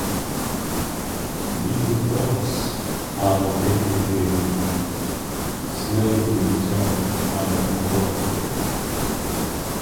These plants are located in Schweinfurt, Germany and Concord, California.